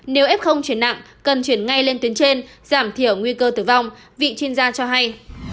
nếu f chuyển nặng cần chuyển ngay lên tuyến trên giảm thiểu nguy cơ tử vong vị chuyên gia cho hay